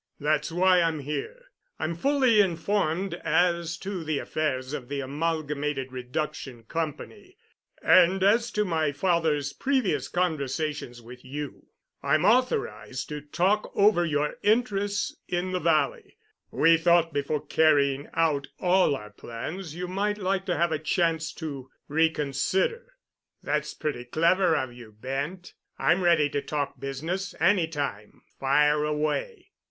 That's why I'm here. I'm fully informed as to the affairs of the Amalgamated Reduction Company and as to my father's previous conversations with you. I'm authorized to talk over your interests in the Valley. We thought before carrying out all our plans you might like to have a chance to reconsider." "That's pretty clever of you, Bent. I'm ready to talk business—any time. Fire away!"